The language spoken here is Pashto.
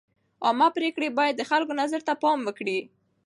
عامه پرېکړې باید د خلکو نظر ته پام وکړي.